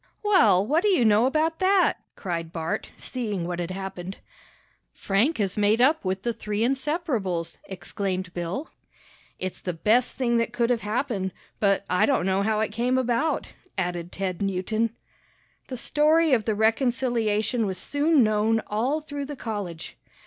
"Well, what do you know about that?" cried Bart, seeing what had happened. "Frank has made up with the three inseparables!" exclaimed Bill. "It's the best thing that could have happened, but I don't know how it came about," added Ted Newton. The story of the reconciliation was soon known all through the college.